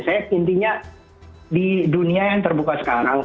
saya intinya di dunia yang terbuka sekarang